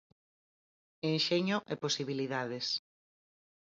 Enxeño e posibilidades.